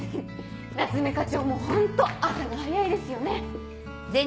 夏目課長もホント朝が早いですよね。